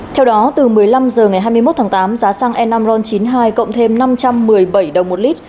theo đó từ một mươi năm h ngày hai mươi một tháng tám giá xăng e năm ron chín mươi hai cộng thêm năm trăm một mươi bảy đồng một lít